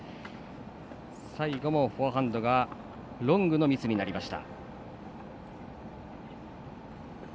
最後のフォアハンドがロングのミスになりました。